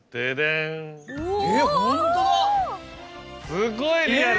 すごいリアル！